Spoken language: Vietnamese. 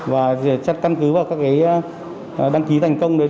và chất căn cứ vào các đăng ký thành công